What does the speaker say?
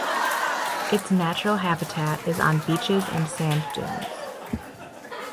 Its natural habitat is on beaches and sand dunes.